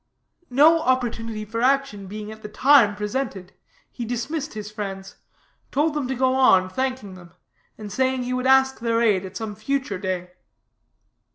No opportunity for action being at the time presented, he dismissed his friends; told them to go on, thanking them, and saying he would ask their aid at some future day.